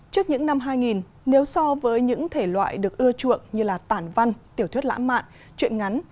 trước những năm hai nghìn nếu so với những thể loại được ưa chuộng như là tản văn tiểu thuyết lãm mạn chuyện ngắn